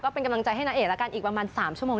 เป็นกำลังใจให้นาเอกแล้วกันอีกประมาณ๓ชั่วโมง